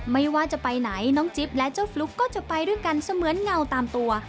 ไม่ว่าจะไปไหนน้องจิ๊บและเจ้าฟลุ๊กก็จะไปด้วยกันเสมือนเงาตามตัว